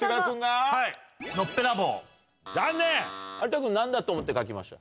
有田君何だと思って描きました？